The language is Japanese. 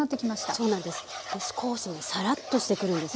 そうなんです。